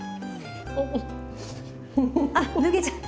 あっ脱げちゃう！